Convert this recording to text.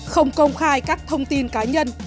không công khai các thông tin cá nhân